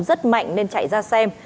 rất mạnh nên chạy ra xem